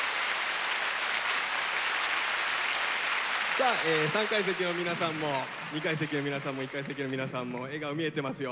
さあ３階席の皆さんも２階席の皆さんも１階席の皆さんも笑顔見えてますよ。